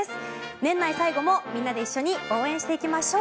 年内最後もみんなで一緒に応援していきましょう。